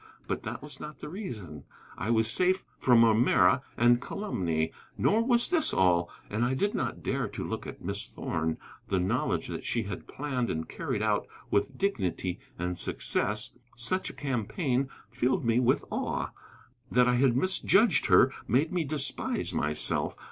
But that was not the reason. I was safe from O'Meara and calumny. Nor was this all. And I did not dare to look at Miss Thorn. The knowledge that she had planned and carried out with dignity and success such a campaign filled me with awe. That I had misjudged her made me despise myself.